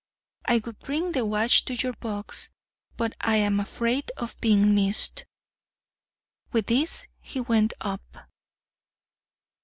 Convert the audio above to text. I would bring the watch to your box, but am afraid of being missed." With this he went up.